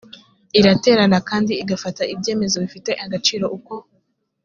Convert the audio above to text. iraterana kandi igafata ibyemezo bifite agaciro uko